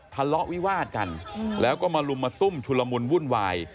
ทะเลาะวิวาดกันแล้วก็มาลุมมาตุ้มชุลมุนวุ่นวาย